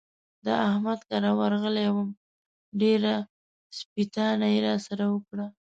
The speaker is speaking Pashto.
د احمد کره ورغلی وم؛ ډېره سپېتانه يې را سره وکړه.